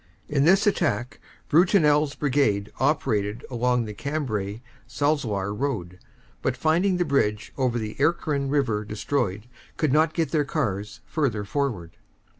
"In this attack Brutinel s Brigade operated along the 314 CANADA S HUNDRED DAYS Cambrai Salzoir road, but finding the bridge over the Erclin River destroyed could not get their cars further forward.